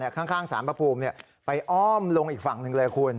ข้างสารพระภูมิไปอ้อมลงอีกฝั่งหนึ่งเลยคุณ